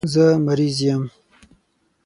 زه مریض یم.